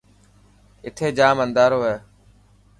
اٿي جام انڌارو هي.